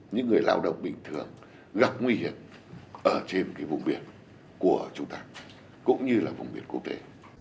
những người lao động bình thường gặp nguy hiểm ở trên vùng biển của chúng ta cũng như là vùng biển quốc tế